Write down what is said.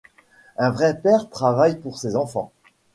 Un vrai père travaille pour ses enfants.